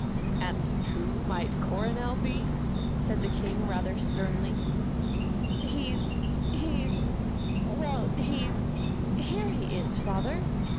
"And who might Coronel be?" said the King, rather sternly. "He's he's well, he's Here he is, Father."